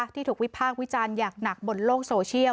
ที่ถูกวิพากษ์วิจารณ์อย่างหนักบนโลกโซเชียล